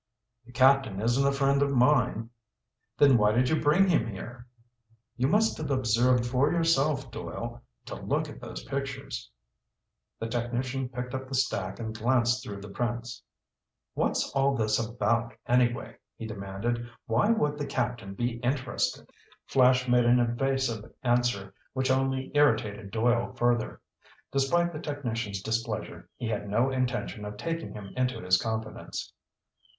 "The Captain isn't a friend of mine." "Then why did you bring him here?" "You must have observed for yourself, Doyle. To look at those pictures." The technician picked up the stack and glanced through the prints. "What's all this about anyway?" he demanded. "Why would the Captain be interested?" Flash made an evasive answer which only irritated Doyle further. Despite the technician's displeasure, he had no intention of taking him into his confidence.